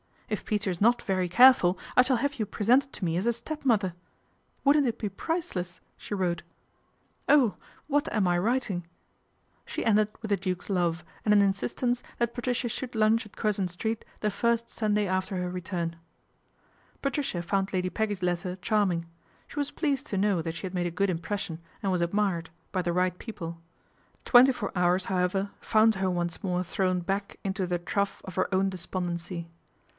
If Peter is not very careful, I shall have you pre sented to me as a stepmother. Wouldn't it be priceless !" she wrote. " Oh ! What am I writ ing ?" She ended with the Duke's love, and an insistence that Patricia should lunch at Curzon Street the first Sunday after her return. Patricia found Lady Peggy's letter charming. She was pleased to know that she had made a good impression and was admired by the right people. Twenty four hours, however, found her once more thrown back into the trough of her own despond A RACE WITH SP1JSSTERHOOD 289 ency.